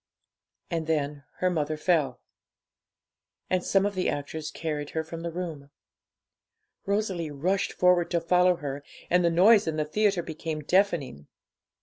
And then her mother fell, and some of the actors carried her from the room. Rosalie rushed forward to follow her, and the noise in the theatre became deafening.